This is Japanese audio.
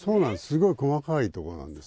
すごい細かいところなんです。